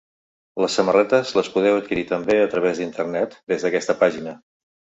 Les samarretes les podeu adquirir també a través d’internet, des d’aquesta pàgina.